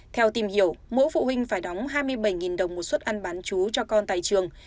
theo tìm hiểu mỗi phụ huynh phải đóng hai mươi bảy đồng một suất ăn bán chú cho con tại trường